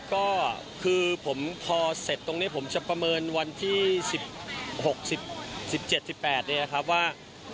ก็คือผมพอเสร็จตรงนี้ผมจะประเมินวันที่๑๖๑๗๑๘เนี่ยครับว่า